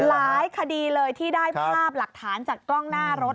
หลายคดีเลยที่ได้ภาพหลักฐานจากกล้องหน้ารถ